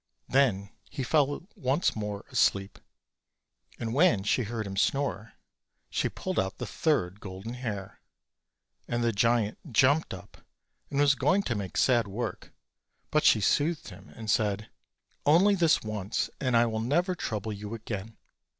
Then he fell once more asleep; and when she heard him snore she pulled out the third golden hair, and the giant jumped up and was going to make sad work; hut she soothed him, and said, "Only this once, and I will never trouble you again.